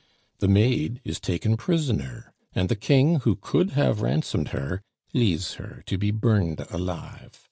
The maid is taken prisoner, and the King, who could have ransomed her, leaves her to be burned alive.